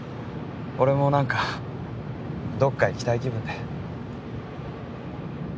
俺も何かどっか行きたい気分で。